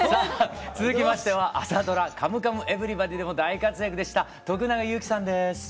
続きましては朝ドラ「カムカムエヴリバディ」でも大活躍でした徳永ゆうきさんです。